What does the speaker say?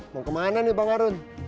mau kemana nih bang karun